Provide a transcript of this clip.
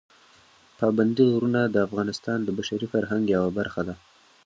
پابندي غرونه د افغانستان د بشري فرهنګ یوه برخه ده.